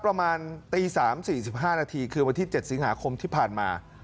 ประมาณตี๓๔๕นาทีคือวันที่๗สิงหาคมที่ผ่านมา